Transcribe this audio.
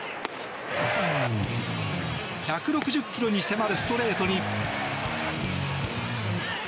１６０キロに迫るストレートに。